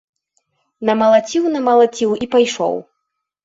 Намалаціў, намалаціў і пайшоў.